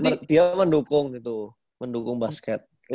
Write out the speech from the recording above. ya dia mendukung itu mendukung basket